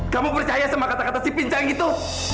kamu percaya sama kata kata si pincang itu